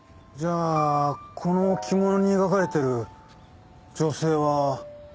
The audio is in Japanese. じゃあこの着物に描かれてる女性は。